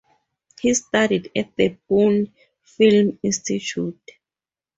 He studied at the Pune Film Institute.